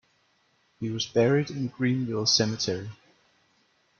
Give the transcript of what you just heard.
He was buried in Greenville Cemetery.